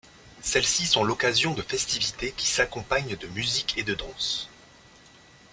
Celles-ci sont l'occasion de festivités qui s'accompagnent de musique et de danses.